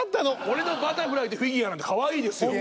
俺の「バタフライ」と「フィギュア」なんてかわいいですよ。